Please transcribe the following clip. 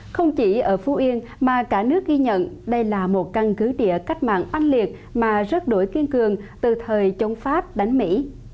không chỉ ở phú yên mà cả nước ghi nhận đây là một căn cứ địa cách mạng oanh liệt mà rất đổi kiên cường từ thời chống pháp đánh mỹ